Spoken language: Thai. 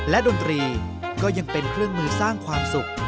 และดนตรีก็ยังเป็นเครื่องมือสร้างความสุข